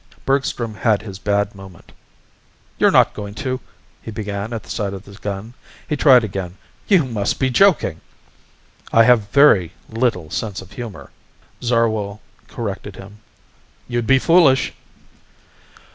Bergstrom had his bad moment. "You're not going to ..." he began at the sight of the gun. He tried again. "You must be joking." "I have very little sense of humor," Zarwell corrected him. "You'd be foolish!"